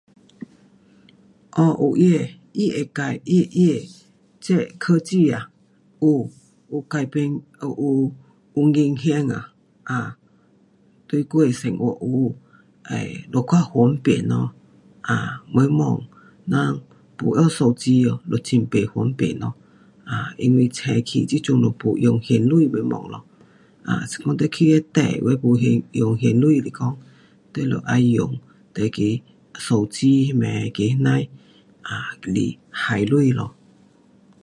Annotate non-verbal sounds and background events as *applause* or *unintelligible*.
有，有他的，科技，有危险。要过生活就较方便咯。 *unintelligible* 有[um] 手机。这阵子没有现钱了。如果你去那店没用现钱来讲。就要用手机上面来还钱。